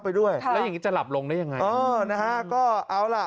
ไปด้วยแล้วอย่างนี้จะหลับลงได้ยังไงเออนะฮะก็เอาล่ะ